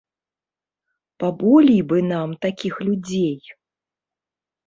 Паболей бы нам такіх людзей.